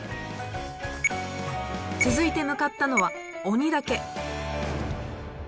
続いて向かったのは鬼岳。